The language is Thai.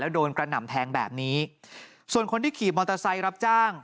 โดนกระหน่ำแทงแบบนี้ส่วนคนที่ขี่มอเตอร์ไซค์รับจ้าง